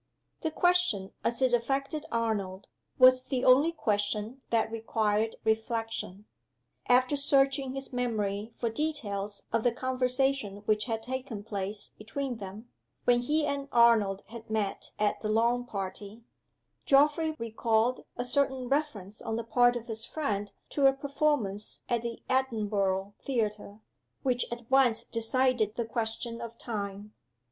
The question, as it affected Arnold, was the only question that required reflection. After searching his memory for details of the conversation which had taken place between them, when he and Arnold had met at the lawn party, Geoffrey recalled a certain reference on the part of his friend to a performance at the Edinburgh theatre, which at once decided the question of time.